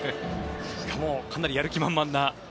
しかもかなりやる気満々な。